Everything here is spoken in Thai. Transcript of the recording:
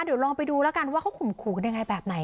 เดี๋ยวลองไปดูแล้วกันว่าเขาข่มขู่กันยังไงแบบไหน